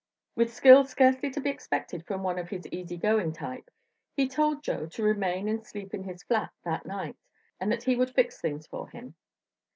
With skill scarcely to be expected from one of his easy going type, he told Joe to remain and sleep in his flat that night and that he would fix things for him.